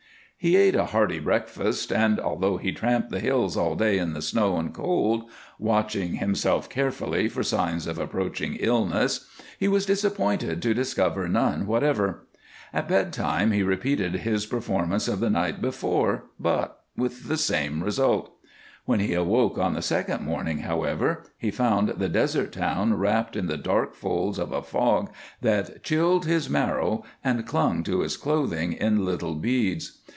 He ate a hearty breakfast, and, although he tramped the hills all day in the snow and cold, watching himself carefully for signs of approaching illness, he was disappointed to discover none whatever. At bedtime he repeated his performance of the night before, but with the same result. When he awoke on the second morning, however, he found the desert town wrapped in the dark folds of a fog that chilled his marrow and clung to his clothing in little beads.